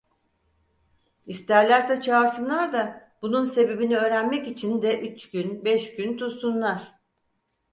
İsterlerse çağırsınlar da, bunun sebebini öğrenmek için de üç gün, beş gün tutsunlar…